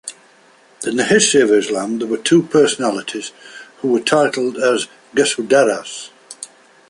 In the history of Islam there were two personalities who were titled as Gesudaraz.